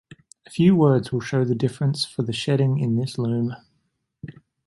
A few words will show the difference for the shedding in this loom.